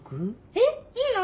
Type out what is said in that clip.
えっいいの？